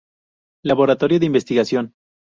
Laboratorio de investigación